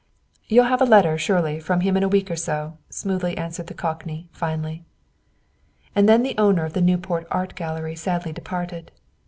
"You'll have a letter surely, from him in a week or so," smoothly answered the cockney, finally. And then the owner of the Newport Art Gallery sadly departed.